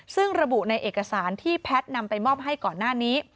ซึ่งระบุในเอกสารที่แพทย์นำไปมอบให้ก่อนหน้านี้